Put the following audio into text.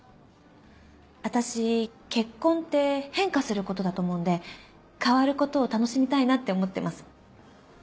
私結婚って変化することだと思うんで変わることを楽しみたいなって思ってます。